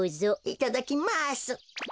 いただきます。